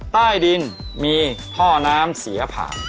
ใต้ดินมีท่อน้ำเสียผ่าน